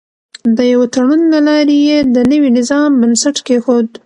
د یوه تړون له لارې یې د نوي نظام بنسټ کېښود.